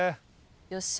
よっしゃ。